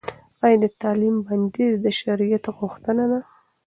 ایا د تعلیم بندیز د شرعیت غوښتنه ده؟